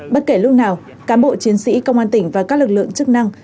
bất kể lúc nào cán bộ chiến sĩ công an tỉnh và các lực lượng chức năng